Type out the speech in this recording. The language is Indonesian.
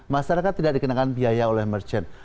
masyarakat tidak dikenakan biaya oleh merchant